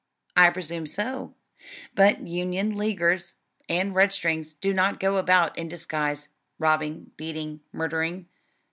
"I presume so, but Union Leaguers and Redstrings do not go about in disguise, robbing, beating, murdering."